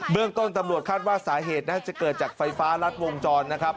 เรื่องต้นตำรวจคาดว่าสาเหตุน่าจะเกิดจากไฟฟ้ารัดวงจรนะครับ